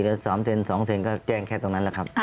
เหลือ๓เซน๒เซนก็แจ้งแค่ตรงนั้นแหละครับ